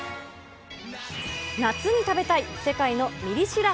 夏に食べたい世界のミリ知ら